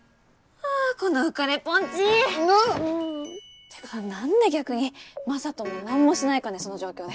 あこの浮かれポンチ！ってか何で逆に雅人も何もしないかねその状況で。